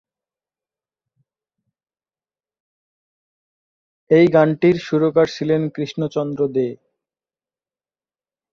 এই গানটির সুরকার ছিলেন কৃষ্ণচন্দ্র দে।